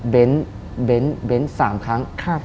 เบ้นสามครั้ง